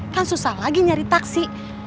kan susah lagi nyari taksi